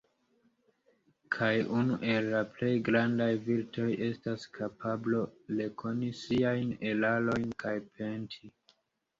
Kaj unu el la plej grandaj virtoj estas kapablo rekoni siajn erarojn kaj penti.